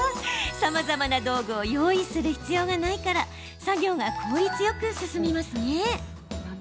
さまざまな道具を用意する必要がないから作業が効率よく進みますね。